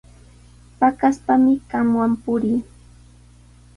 Paqaspami qamwan purii.